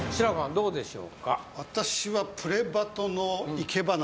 どうでしょう？